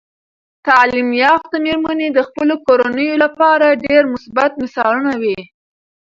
تعلیم یافته میرمنې د خپلو کورنیو لپاره ډیر مثبت مثالونه وي.